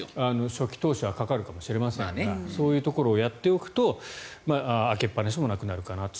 初期投資はかかるかもしれませんがそういうところをやっておくと開けっぱなしもなくなるかなと。